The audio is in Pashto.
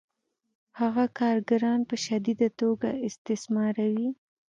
هغه کارګران په شدیده توګه استثماروي